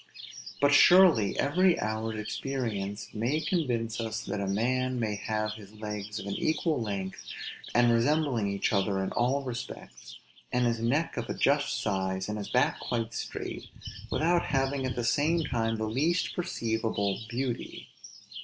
But surely every hour's experience may convince us that a man may have his legs of an equal length, and resembling each other in all respects, and his neck of a just size, and his back quite straight, without having at the same time the least perceivable beauty.